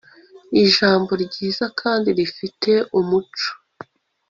ijambo ryiza kandi rifite umuco